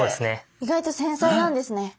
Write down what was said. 意外と繊細なんですね。